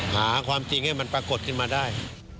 หาความจริงให้มันปรากฏขึ้นมาได้